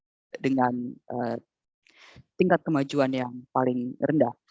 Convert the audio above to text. ya dengan tingkat kemajuan yang paling rendah